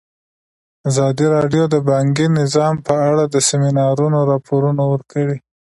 ازادي راډیو د بانکي نظام په اړه د سیمینارونو راپورونه ورکړي.